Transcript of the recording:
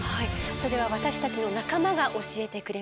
それは私たちの仲間が教えてくれます。